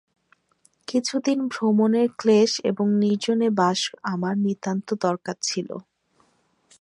কিছুদিন ভ্রমণের ক্লেশ এবং নির্জনে বাস আমার নিতান্ত দরকার ছিল।